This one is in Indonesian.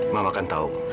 mama kan tahu